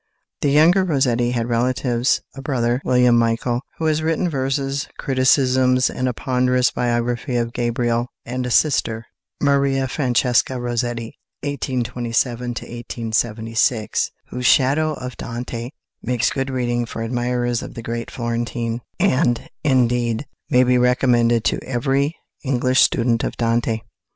The younger Rossetti had relatives a brother, William Michael, who has written verses, criticisms, and a ponderous biography of Gabriel; and a sister, =Maria Francesca Rossetti (1827 1876)=, whose "Shadow of Dante" makes good reading for admirers of the great Florentine, and, indeed, may be recommended to every English student of Dante.